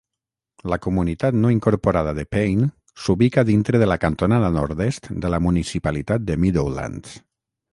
La comunitat no incorporada de Payne s'ubica dintre de la cantonada nord-est de la municipalitat de Meadowlands.